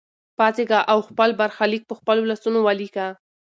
پاڅېږه او خپل برخلیک په خپلو لاسونو ولیکه.